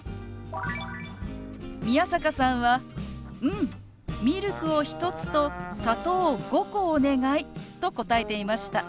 宮坂さんは「うん！ミルクを１つと砂糖を５個お願い」と答えていました。